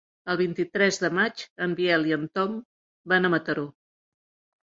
El vint-i-tres de maig en Biel i en Tom van a Mataró.